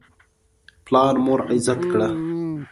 پلار مور عزت کړه.